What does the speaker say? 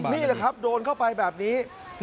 นี่แหละครับโดนเข้าไปแบบนี้